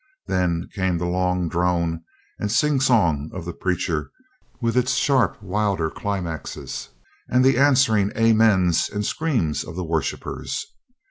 Then came the long drone and sing song of the preacher with its sharp wilder climaxes and the answering "amens" and screams of the worshippers.